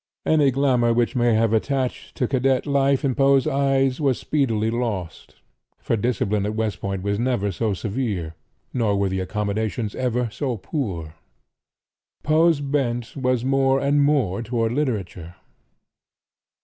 Any glamour which may have attached to cadet life in Poe's eyes was speedily lost, for discipline at West Point was never so severe nor were the accommodations ever so poor. Poe's bent was more and more toward literature.